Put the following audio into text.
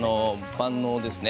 万能ですね。